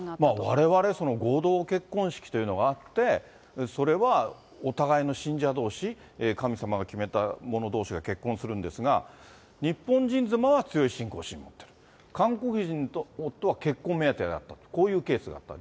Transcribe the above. われわれ、合同結婚式というのがあって、それはお互いの信者どうし、神様が決めた者どうしが結婚するんですが、日本人妻は強い信仰心を持っている、韓国人夫は結婚目当てだった、こういうケースがあったと。